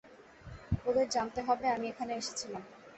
ওদের জানতে হবে আমি এখানে এসেছিলাম!